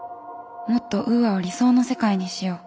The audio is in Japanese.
もっとウーアを理想の世界にしよう。